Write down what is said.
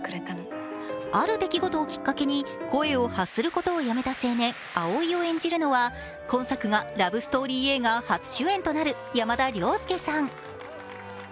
ある出来事をきっかけに声を発することをやめた青年、蒼を演じるのは今作がラブストーリー映画初主演となる山田涼介さん。